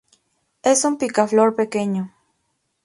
Es un picaflor pequeño.